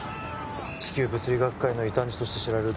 「地球物理学界の異端児として知られる」